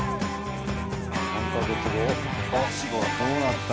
３カ月後どうなった？